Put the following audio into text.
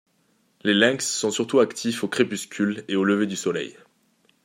Les lynx sont surtout actifs au crépuscule et au lever du soleil.